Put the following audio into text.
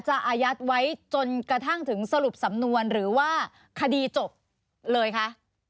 อายัดไว้จนกระทั่งถึงสรุปสำนวนหรือว่าคดีจบเลยคะ